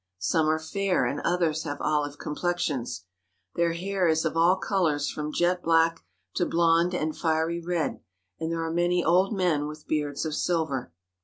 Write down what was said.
Some are fair and others have olive complexions . Their hair is of all colours from jet black to blond and fiery red, and there are many old men with beards of silver.